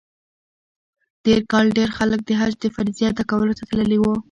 تېر کال ډېر خلک د حج د فریضې ادا کولو ته تللي وو.